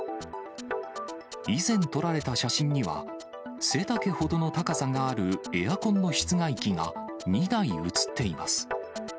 以前撮られた写真には、背丈ほどの高さがあるエアコンの室外機が２台写っています。